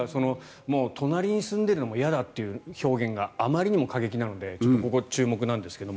隣に住んでいるのも嫌だという表現があまりにも過激なのでここ、注目なんですけど